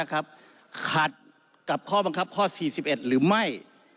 ขัดกับข้อบังคับข้อ๔๑หรือไม่